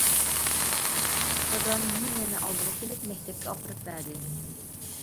دادام مېنى يەنە ئالدىغا سېلىپ مەكتەپكە ئاپىرىپ بەردى.